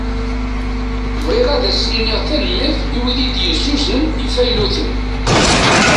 Bɣiɣ ad asen-iniɣ tanemmirt i wid i yi-d-yuznen ifayluten.